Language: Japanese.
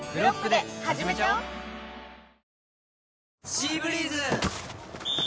「シーブリーズ」！